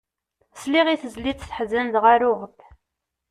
Sliɣ i tezlit teḥzen dɣa ruɣ-d.